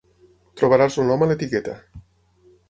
Trobaràs el nom a l'etiqueta.